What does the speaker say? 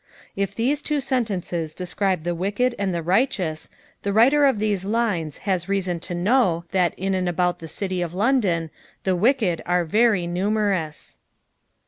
If these two sentences describe the wicked and the righteous, the writer of these lines has reason to know that in and about the city of London the wicked are very numerous.